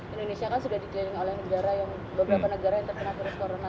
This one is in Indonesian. indonesia kan sudah dikelilingi oleh beberapa negara yang terkena virus corona